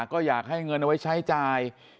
ก็อยากให้เงินเอาไว้ใช้จ่าย